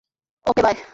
অকে, বায়!